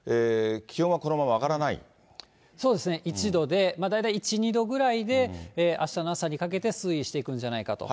そうですね、１度で、大体１、２度ぐらいで、あしたの朝にかけて推移していくんじゃないかと。